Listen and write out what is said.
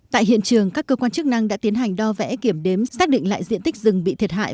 tại hiện trường các cơ quan chức năng đã tiến hành đo vẽ kiểm đếm xác định lại diện tích rừng bị thiệt hại